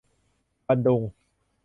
บันดุง